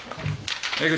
江口。